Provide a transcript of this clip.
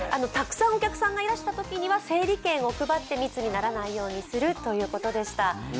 たくさんお客さんがいらしたときには整理券を配って、密にならないようにするということでした。